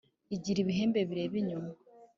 Igira ibihembe bireba inyuma